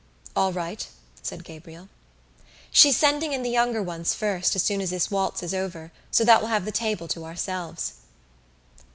"All right," said Gabriel. "She's sending in the younger ones first as soon as this waltz is over so that we'll have the table to ourselves."